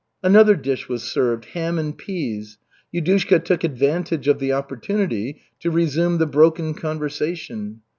Another dish was served, ham and peas. Yudushka took advantage of the opportunity to resume the broken conversation.